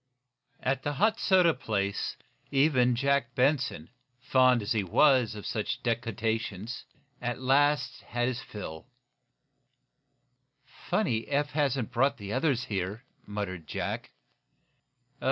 At the hot soda place even Jack Benson, fond as he was of such decoctions, at last had his fill. "Funny Eph hasn't brought the others here," muttered Jack.